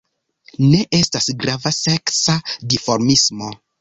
Ne estas grava seksa dimorfismo.